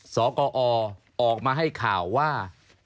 สกอออกมาให้ข่าวว่า